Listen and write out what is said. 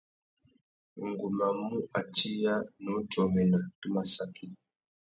Ngu má mù atiya, nnú djômena, tu má saki.